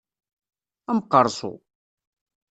Amqeṛṣu!